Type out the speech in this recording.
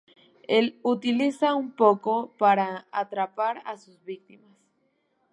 Él utiliza un pozo para atrapar a sus víctimas.